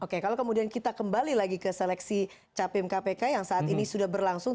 oke kalau kemudian kita kembali lagi ke seleksi capim kpk yang saat ini sudah berlangsung